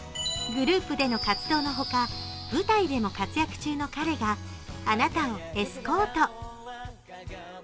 グループでの活動の他、舞台でも活躍中の彼があなたをエスコート。